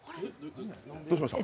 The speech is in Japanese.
どうしました？